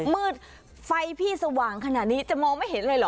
มืดไฟพี่สว่างขนาดนี้จะมองไม่เห็นเลยเหรอ